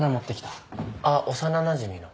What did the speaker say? あっ幼なじみの。